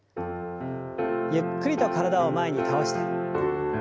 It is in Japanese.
ゆっくりと体を前に倒して。